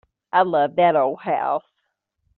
I love that old house.